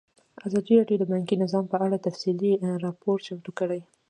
ازادي راډیو د بانکي نظام په اړه تفصیلي راپور چمتو کړی.